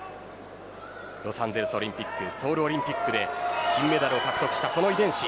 ロサンゼルスオリンピックソウルオリンピックで金メダルを獲得した遺伝子。